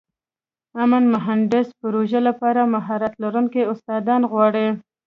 امن مهندسي پروژې لپاره مهارت لرونکي استادان غواړو.